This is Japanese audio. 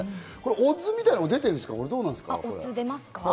オッズみたいなのが出てるんですか？